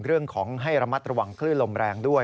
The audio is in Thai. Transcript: เรื่องของให้ระมัดระวังคลื่นลมแรงด้วย